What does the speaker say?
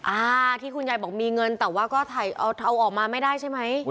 อ่าที่คุณยายบอกมีเงินแต่ว่าก็ถ่ายเอาออกมาไม่ได้ใช่ไหม